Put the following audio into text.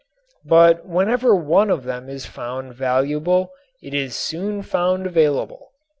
But whenever one of them is found valuable it is soon found available.